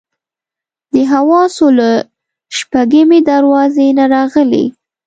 د حواسو له شپږمې دروازې نه راغلي.